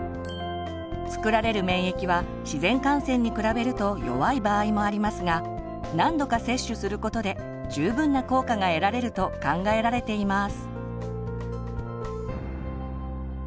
作られる免疫は自然感染に比べると弱い場合もありますが何度か接種することで十分な効果が得られると考えられています。